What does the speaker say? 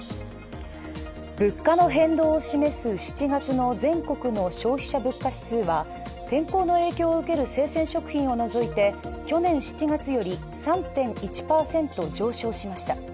物価の変動を示す７月の全国の消費者物価指数は天候の影響を受ける生鮮食品を除いて去年７月より３．１％上昇しました。